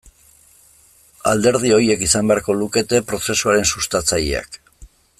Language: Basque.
Alderdi horiek izan beharko lukete prozesuaren sustatzaileak.